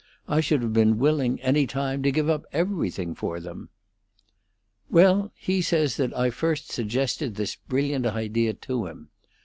"I should have been willing, any time, to give up everything for them." "Well, he says that I first suggested this brilliant idea to him.